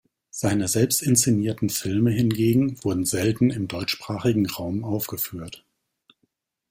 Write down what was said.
Seine selbst inszenierten Filme hingegen wurden selten im deutschsprachigen Raum aufgeführt.